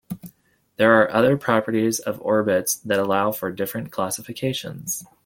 There are other properties of orbits that allow for different classifications.